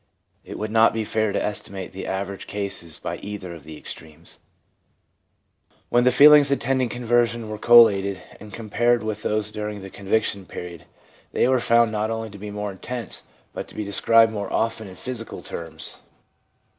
It would not be fair to estimate the average cases by either of the extremes. When the feelings attending conversion were collated and compared with those during the conviction period, they were found to be not only more intense, but to be ^escribed more often in physical terms.